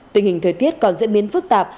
tình hình thời tiết còn diễn biến phức tạp